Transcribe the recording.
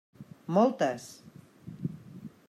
Moltes.